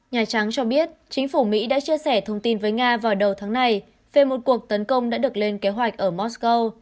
nhà trắng cho biết chính phủ mỹ đã chia sẻ thông tin với nga vào đầu tháng này về một cuộc tấn công đã được lên kế hoạch ở moscow